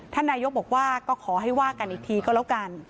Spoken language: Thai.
นายกบอกว่าก็ขอให้ว่ากันอีกทีก็แล้วกัน